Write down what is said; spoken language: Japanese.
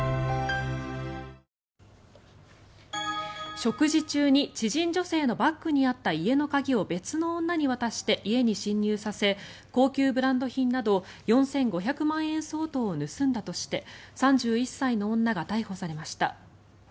食事中に知人女性のバッグにあった家の鍵を別の女に渡して家に侵入させ高級ブランド品など４５００万円相当を盗んだとして３１歳の女が逮捕されました。